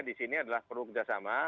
di sini adalah perlu kerjasama